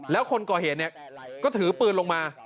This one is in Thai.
แล้วคนก่อเหตุก็ถือปืนลงมา